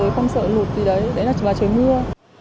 không sợ lụt gì đấy đấy là trời mưa